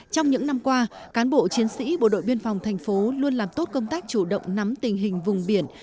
trong những năm qua cán bộ chiến sĩ bộ đội biên phòng thành phố luôn làm tốt công tác chủ động nắm tình hình vùng biển